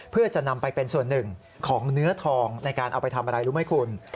เพื่อจะนำไปเป็นส่วนหนึ่งของเนื้อทองในการเอาไปทำอะไรรู้ไหมคุณ